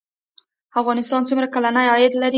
افغانستان څومره کلنی عاید لري؟